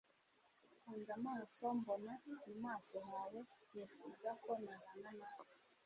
mfunze amaso mbona mu maso hawe, nifuza ko nabana nawe